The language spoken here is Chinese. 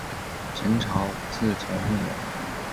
陈朝自从灭亡。